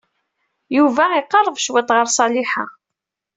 Yuba iqerreb cwiṭ ɣer Ṣaliḥa.